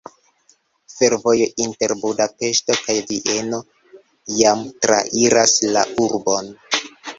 Fervojo inter Budapeŝto kaj Vieno jam trairas la urbon.